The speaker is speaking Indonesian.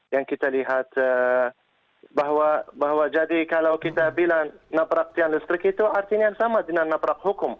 yang kita lihat bahwa jadi kalau kita bilang naprak tian listrik itu artinya sama dengan naprak hukum